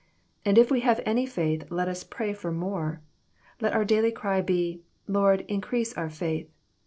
And if we have any faith, let us pray for more. Let oar daily cry be, " Lord, increase our faith."